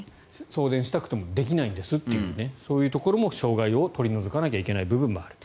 送電したくてもできないんですという障害も取り除かなきゃいけない部分もある。